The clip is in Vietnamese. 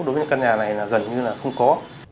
đối với những căn nhà này là gần như là không có